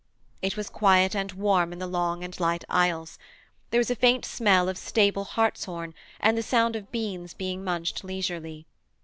It was quiet and warm in the long and light aisles: there was a faint smell of stable hartshorn and the sound of beans being munched leisurely.